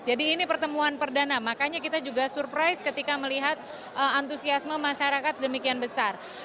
jadi ini pertemuan perdana makanya kita juga surprise ketika melihat antusiasme masyarakat demikian besar